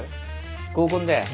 合コンだよ。